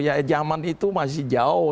ya zaman itu masih jauh